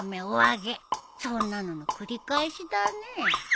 そんなのの繰り返しだね。